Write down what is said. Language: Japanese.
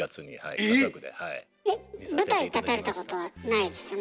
えっ舞台立たれたことはないですよね。